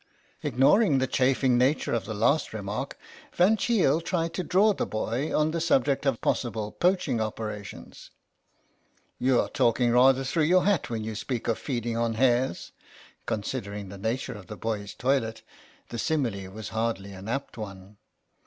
Ignoring the chaffing nature of the last remark Van Cheele tried to draw the boy on the subject of possible poaching operations. "YouVe talking rather through your hat when you speak of feeding on hares." (Con sidering the nature of the boy's toilet the simile was hardly an apt one.)